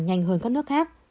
nhanh hơn các nước khác